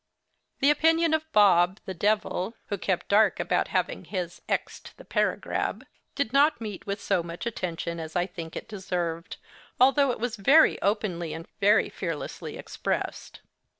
The opinion of Bob, the devil (who kept dark about his having 'X ed the paragrab'), did not meet with so much attention as I think it deserved, although it was very openly and very fearlessly expressed.